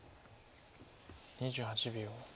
２８秒。